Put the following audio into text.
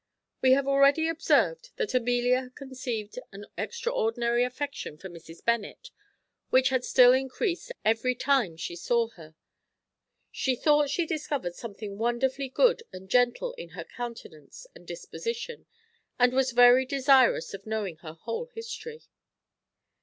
We have already observed that Amelia had conceived an extraordinary affection for Mrs. Bennet, which had still encreased every time she saw her; she thought she discovered something wonderfully good and gentle in her countenance and disposition, and was very desirous of knowing her whole history.